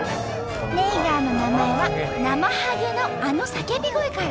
ネイガーの名前はなまはげのあの叫び声から。